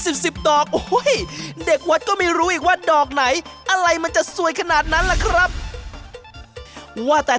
ทีมสีส้มทำภารกิจสำเร็จหาโครกกันในการเจอกันในการเจอกันในการหาโครกนะครับ